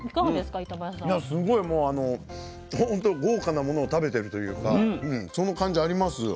すごいもうほんと豪華なものを食べてるというかその感じありますよ。